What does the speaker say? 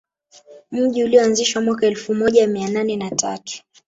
Mji ulioanzishwa mwaka elfu moja mia nane na tatu